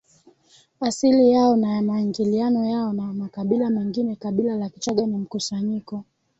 asili yao na ya maingiliano yao na makabila mengine Kabila la Kichagga ni mkusanyiko